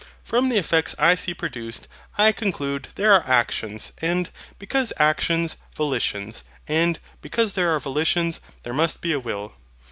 From the effects I see produced, I conclude there are actions; and, because actions, volitions; and, because there are volitions, there must be a WILL.